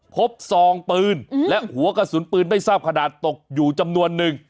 ซองปืนและหัวกระสุนปืนไม่ทราบขนาดตกอยู่จำนวนนึง